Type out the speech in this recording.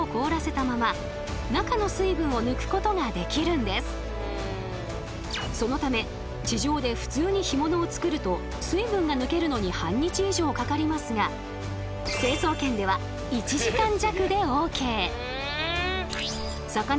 つまりそのため地上で普通に干物を作ると水分が抜けるのに半日以上かかりますが成層圏では１時間弱でＯＫ。